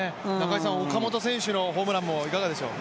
岡本選手のホームランもいかがでしょう？